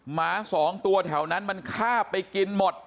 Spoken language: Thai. หมาสองตัวแถวนั้นมันข้าบไปกินหมด